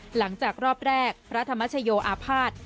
หลังจากรอบแรกพระธรรมชโยอาภาษณ์